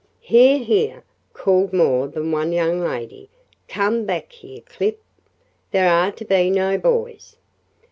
"Here! here!" called more than one young lady. "Come back here, Clip! There are to be no boys!"